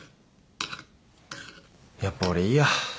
やっぱ俺いいや。